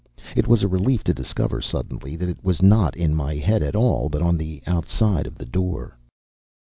It was a relief to discover suddenly that it was not in my head at all, but on the outside of the door.